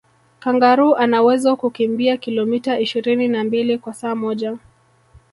kangaroo anawezo kukimbia kilometa ishirini na mbili kwa saa moja